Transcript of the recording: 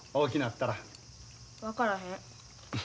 分からへん。